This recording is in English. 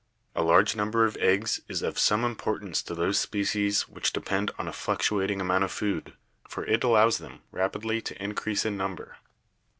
A large number of eggs is of some impor tance to those species which depend on a fluctuating amount of food, for it allows them rapidly to increase in number.